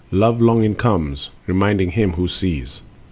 Love longing comes, reminding him who sees.